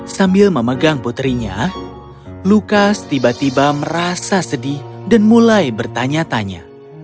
sambil memegang putrinya lukas tiba tiba merasa sedih dan mulai bertanya tanya